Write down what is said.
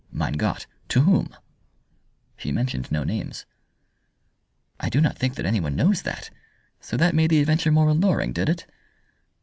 "Mein Gott! To whom?" "She mentioned no names." "I do not think that anyone knows that. So that made the adventure more alluring, did it?"